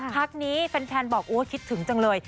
พักนี้แฟนบอกโอ้คิดถึงจังเลย